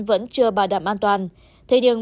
vẫn chưa bà đạm an toàn thế nhưng